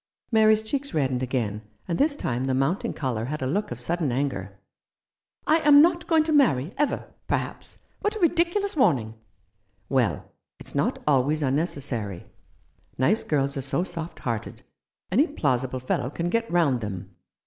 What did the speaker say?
Mary's cheeks reddened again, and this time the mounting colour had a look of sudden anger. "I am not going to marry — ever — perhaps. What a ridiculous warning !" "Well, it's not always unnecessary. Nice girls are so soft hearted ; any plausible fellow can get round them.